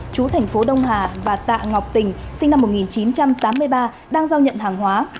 chú thành phố đông hà và tạ ngọc tình sinh năm một nghìn chín trăm tám mươi ba đang giao nhận hàng hóa